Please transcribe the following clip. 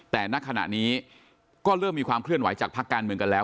แต่ณขณะนี้ก็เริ่มมีความเคลื่อนไหวจากภาคการเมืองกันแล้ว